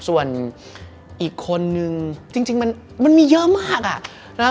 ส่วนอีกคนนึงจริงมันมีเยอะมากอ่ะนะครับ